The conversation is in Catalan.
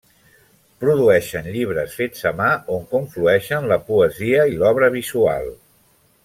Produeixen llibres fets a mà on conflueixen la poesia i l'obra visual.